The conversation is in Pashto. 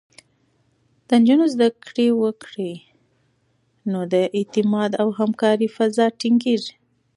که نجونې زده کړه وکړي، نو د اعتماد او همکارۍ فضا ټینګېږي.